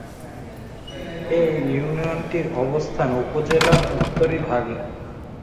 এ ইউনিয়নটির অবস্থান উপজেলা উত্তরিভাগে।